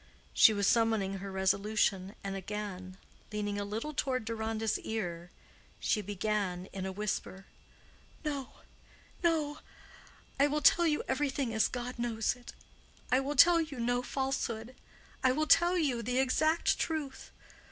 She was summoning her resolution; and again, leaning a little toward Deronda's ear, she began in a whisper, "No, no; I will tell you everything as God knows it. I will tell you no falsehood; I will tell you the exact truth.